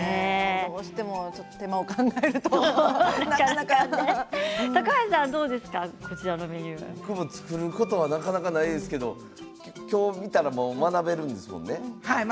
どうしても手間を考えると僕も作ることはなかなかないですけど今日、見たら学べるんですもんね。